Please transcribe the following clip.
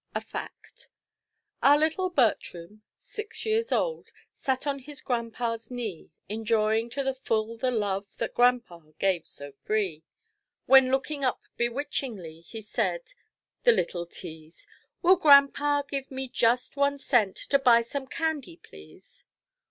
(A FACT) Our little Bertram, six years old, Sat on his grandpa's knee, Enjoying to the full the love That grandpa gave so free, When, looking up bewitchingly, He said, the little teaze, "Will grandpa give me just one cent To buy some candy, please?"